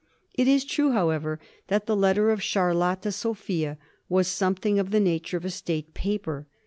It is true, however, that the letter of Charlotte Sophia was something of the nature of a state paper.